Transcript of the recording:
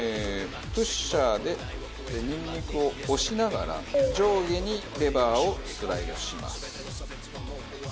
プッシャーでニンニクを押しながら上下にレバーをスライドします。